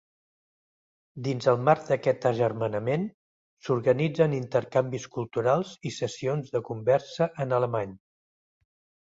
Dins el marc d'aquest agermanament, s'organitzen intercanvis culturals i sessions de conversa en alemany.